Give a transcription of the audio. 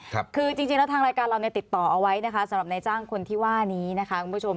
คือจริงจริงแล้วทางรายการเราเนี่ยติดต่อเอาไว้นะคะสำหรับนายจ้างคนที่ว่านี้นะคะคุณผู้ชม